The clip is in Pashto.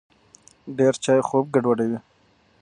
ډېر چای خوب ګډوډوي.